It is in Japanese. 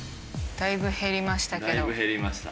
だいぶ減りました。